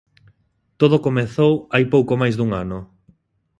Todo comezou hai pouco máis dun ano.